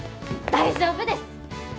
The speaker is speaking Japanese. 大丈夫です！